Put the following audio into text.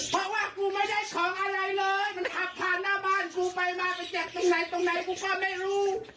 เพราะว่ากูไม่ได้ของอะไรเลยมันขับผ่านหน้าบ้านกูไปมาไปแจกตรงไหนตรงไหนกูก็ไม่รู้